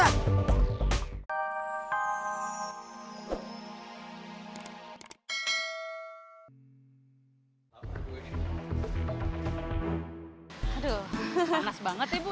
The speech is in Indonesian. aduh panas banget nih bu ya